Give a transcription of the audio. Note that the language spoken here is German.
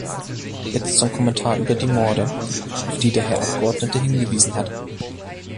Jetzt zum Kommentar über die Morde, auf die der Herr Abgeordnete hingewiesen hat.